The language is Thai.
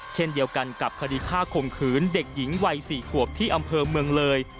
เช่นเดียวกันกับคดีฆ่าข่มขืนเด็กหญิงวัย๔ขวบที่อำเภอเมืองเลย